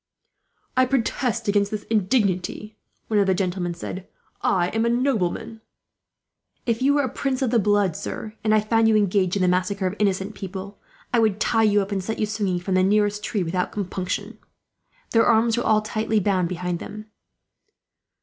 "I protest against this indignity," one of the gentlemen said. "I am a nobleman." "If you were a prince of the blood, sir, and I found you engaged in the massacre of innocent people, I would tie you up, and set you swinging from the nearest tree, without compunction." Their arms were all tightly bound behind them.